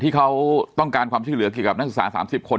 ที่เขาต้องการความช่วยเหลือกี่กับนัฐสรรพ์สามสิบคน